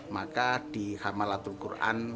maka di khamalatul qur'an